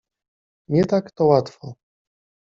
— Nie tak to łatwo.